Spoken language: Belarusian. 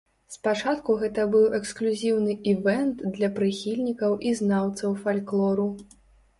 Спачатку гэта быў эксклюзіўны івэнт для прыхільнікаў і знаўцаў фальклору.